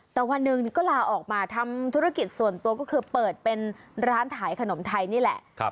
แต่วันหนึ่งก็ลาออกมาทำธุรกิจส่วนตัวก็คือเปิดเป็นร้านขายขนมไทยนี่แหละ